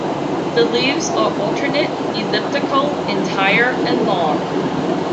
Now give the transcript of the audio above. The leaves are alternate, elliptical, entire, and long.